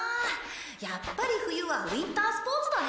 やっぱり冬はウィンタースポーツだね。